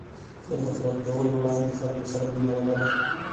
له نفرت کولو وړاندې خلکو سره مینه ولره.